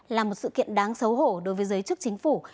là một sự kiện đáng xấu hổ đối với giới chức chính phủ